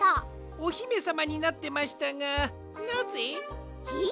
オヒメさまになってましたがなぜ？えっ？